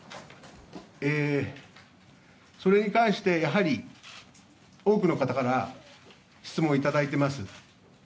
それに関してやはり多くの方から質問をいただいています。